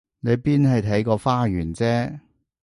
你邊係睇個花園啫？